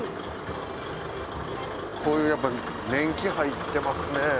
こういうやっぱ年季入ってますね。